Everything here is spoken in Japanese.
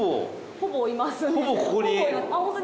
ほぼいますね。